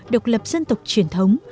độc lập dân tộc truyền thống